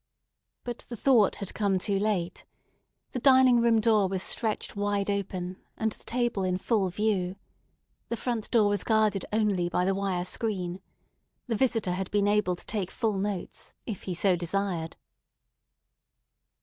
But the thought had come too late. The dining room door was stretched wide open, and the table in full view. The front door was guarded only by the wire screen. The visitor had been able to take full notes, if he so desired.